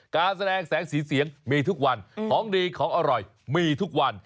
การแสดงแสงสีเสียงมีทุกวันของดีของอร่อยมีทุกวัน